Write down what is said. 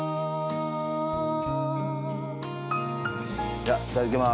じゃあいただきます。